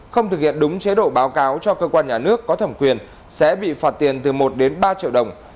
không thực hiện đúng chế độ báo cáo cho cơ quan nhà nước có thẩm quyền sẽ bị phạt tiền từ một đến ba triệu đồng